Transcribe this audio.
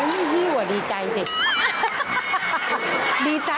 ที่้วดีใจจิ